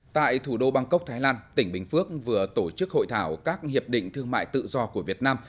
tại thủ đô bangkok thái lan tỉnh bình phước vừa tổ chức hội thảo các hiệp định thương mại tự do của việt nam